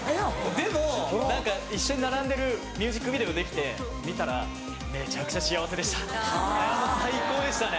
でも一緒に並んでるミュージックビデオできて見たらめちゃくちゃ幸せでした最高でしたね。